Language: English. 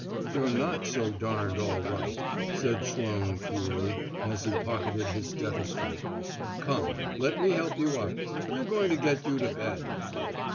"You're not so darned all right," said Sloane coolly, as he pocketed his stethoscope. "Come, let me help you up. We're going to get you to bed."